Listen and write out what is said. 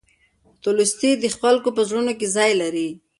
تولستوی د خلکو په زړونو کې ځای لري.